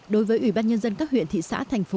đối với ủy ban nhân dân các huyện thị xã thành phố